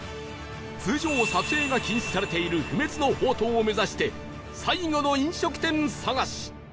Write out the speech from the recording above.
通常撮影が禁止されている不滅の法灯を目指して最後の飲食店探し